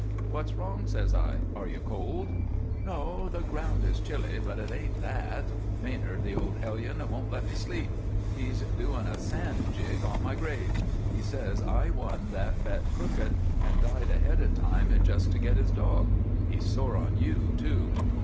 "'What's wrong?' says I. 'Are you cold?' "'No. The ground is chilly, but it ain't that. Manard, the old hellion, won't let me sleep. He's doing a sand jig on my grave. He says I won that bet crooked and died ahead of time just to get his dog. He's sore on you, too.'